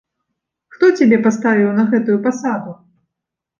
Хто цябе паставіў на гэтую пасаду?